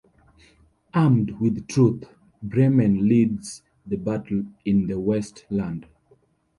Armed with truth, Bremen leads the battle in the Westland.